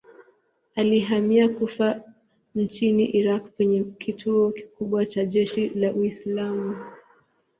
Alihamia Kufa nchini Irak penye kituo kikubwa cha jeshi la Uislamu.